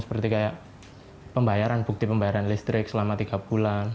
seperti kayak pembayaran bukti pembayaran listrik selama tiga bulan